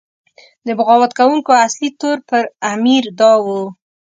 د بغاوت کوونکو اصلي تور پر امیر دا و.